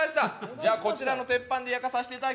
じゃあこちらの鉄板で焼かさせていただきますので。